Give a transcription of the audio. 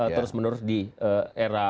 terus menurut di era